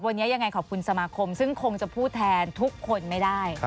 วันนี้ยังไงขอบคุณสมาคมซึ่งคงจะพูดแทนทุกคนไม่ได้